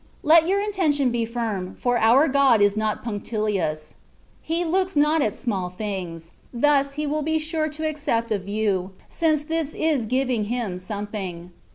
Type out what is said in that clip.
Let your intention be firm, for our God is not punctilious ;* He looks not at small things : thus He will be sure to accept of you — since this is giving Him something.